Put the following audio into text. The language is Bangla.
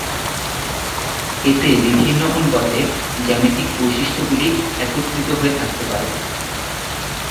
এতে বিভিন্ন অনুপাতে জ্যামিতিক বৈশিষ্ট্যগুলি একত্রিত হয়ে থাকতে পারে।